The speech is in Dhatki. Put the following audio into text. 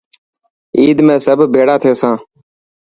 عيد ۾ سب بيڙا ٿيسان.